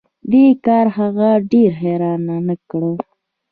دې کار هغه ډیره حیرانه نه کړه